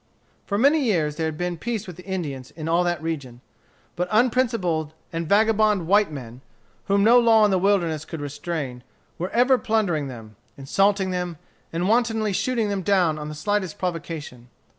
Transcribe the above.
For many years there had been peace with the Indians in all that region. But unprincipled and vagabond white men, whom no law in the wilderness could restrain, were ever plundering them, insulting them, and wantonly shooting them down on the slightest provocation.